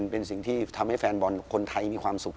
เป็นสิ่งที่ทำให้แฟนบอลคนไทยมีความสุข